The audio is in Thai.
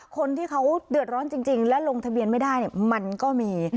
คนที่เขาเดือดร้อนจริงและลงทะเบียนไม่ได้มันก็มี